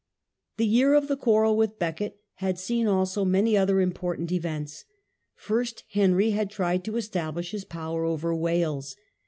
The year of the quarrel with Becket had seen also many other important events. First Henry had tried to establish his power over Wales.